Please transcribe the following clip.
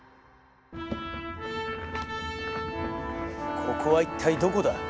ここは一体どこだ？